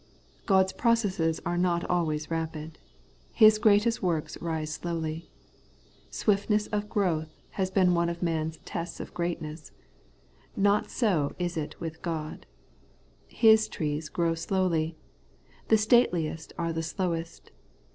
* God's processes are not always rapid. His greatest works rise slowly. Swiftness of growth has been one of man's tests of greatness ; not so is it with God. His trees grow slowly; the stateliest are the slowest.